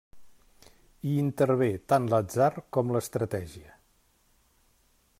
Hi intervé tant l'atzar com l'estratègia.